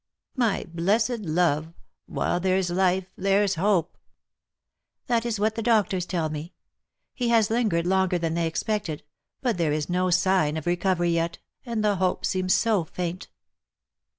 " My blessed love, while there's life there's hope." " That is what the doctors tell me. He has lingered longer than they expected, but there is no sign of recovery yet, and the hope seems so faint."